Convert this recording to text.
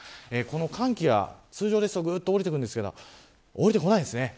寒気が、通常だと下りてくるんですが下りてこないです。